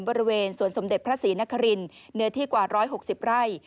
บริเวณสวนสมเด็จพระศรีนครินเนื้อที่กว่า๑๖๐ไร่